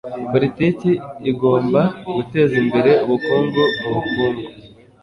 politiki igomba guteza imbere ubukungu mu bukungu